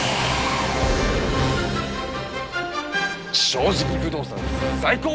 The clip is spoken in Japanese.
「正直不動産」最高！